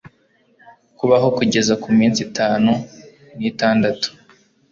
kubaho kugeza ku minsi itanu n'itandatu